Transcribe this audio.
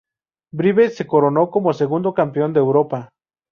Brive se coronó como segundo Campeón de Europa.